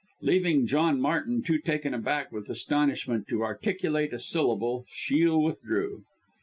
Leaving John Martin too taken aback with astonishment to articulate a syllable, Shiel withdrew.